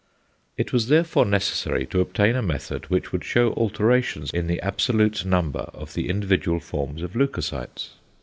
It was therefore necessary to obtain a method which would show alterations in the absolute number of the individual forms of leucocytes.